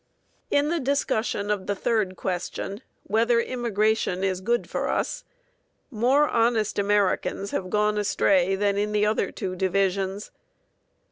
In the discussion of the third question, whether immigration is good for us, more honest Americans have gone astray than in the other two divisions.